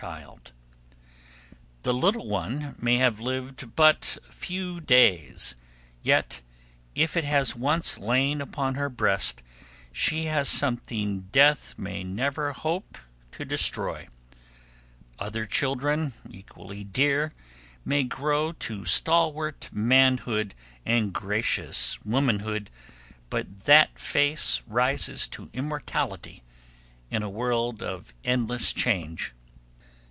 [Sidenote: The Child Upon Her Breast] The little one may have lived but a few days, yet, if it has once lain upon her breast, she has something Death may never hope to destroy. Other children, equally dear, may grow to stalwart manhood and gracious womanhood, but that face rises to immortality in a world of endless change.